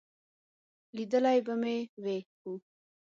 لیدلی به مې وي، خو ...